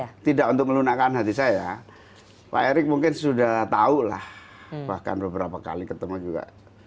ya tidak untuk melunakkan hati saya pak erick mungkin sudah tahu lah bahkan beberapa kali ketemu juga